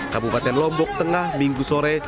kabupaten lombok tengah minggu sore